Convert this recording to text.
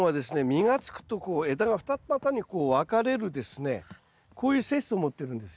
実がつくとこう枝が二股にこう分かれるですねこういう性質を持ってるんですよね。